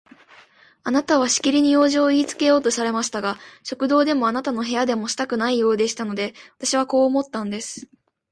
あなたはしきりに用事をいいつけようとされましたが、食堂でもあなたの部屋でもしたくないようでしたので、私はこう思ったんです。